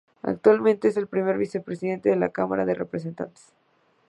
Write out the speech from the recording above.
Actualmente es el primer vicepresidente de la Cámara de Representantes.